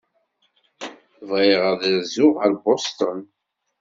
Bɣiɣ ad rzuɣ ɣer Boston.